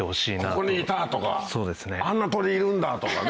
「ここにいた！」とか「あんな鳥いるんだ」とかね。